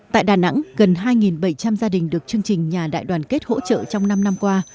tại đà nẵng gần hai bảy trăm linh gia đình được chương trình nhà đại đoàn kết hỗ trợ trong năm năm qua